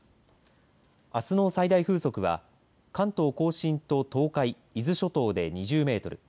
あすの最大風速は関東甲信と東海伊豆諸島で２０メートル